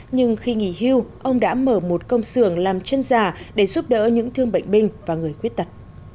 nhưng khi nghỉ hưu ông đã mở một công sưởng làm chân giả để giúp đỡ những thương bệnh binh và người khuyết tật